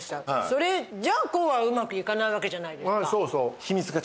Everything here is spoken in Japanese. それじゃあこうはうまくいかないわけじゃないですか。